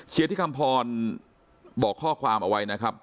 เชียร์ที่คัมพอนค์บอกข้อขวามเอาไว้นะครับ